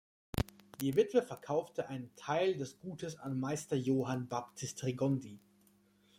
Die Witwe verkaufte einen Teil des Gutes an Meister Johann Baptist Regondi.